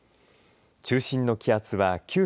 中心の気圧は９３５